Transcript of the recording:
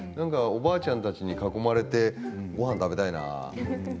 おばあちゃんたちに囲まれてごはん食べたいな。